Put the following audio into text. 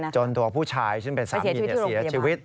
ตัวผู้ชายซึ่งเป็นสามีเสียชีวิต